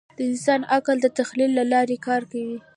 د انسان عقل د تخیل له لارې کار کوي.